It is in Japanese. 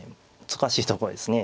難しいところですね。